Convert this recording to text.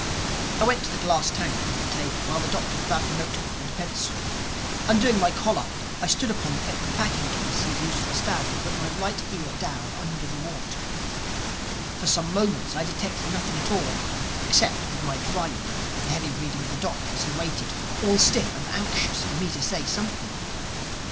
I went to the glass tank upon the table while the Doctor grabbed a note book and a pencil. Undoing my collar I stood upon the empty packing case he had been using for a stand and put my right ear down under the water. For some moments I detected nothing at all—except, with my dry ear, the heavy breathing of the Doctor as he waited, all stiff and anxious, for me to say something.